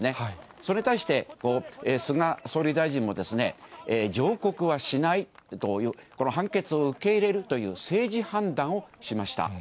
それに対して、菅総理大臣も、上告はしないと、この判決を受け入れるという政治判断をしました。